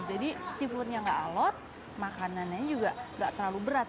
jadi seafoodnya enggak alot makanannya juga enggak terlalu berat